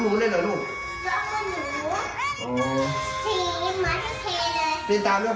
จริงทีและมันสักเหมือนน้ำมนเดือด